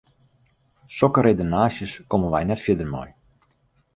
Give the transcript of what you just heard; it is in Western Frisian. Sokke redenaasjes komme wy net fierder mei.